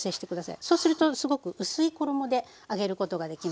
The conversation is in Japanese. そうするとすごく薄い衣で揚げることができますので。